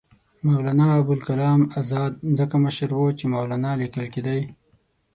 مولنا ابوالکلام آزاد ځکه مشر وو چې مولنا لیکل کېدی.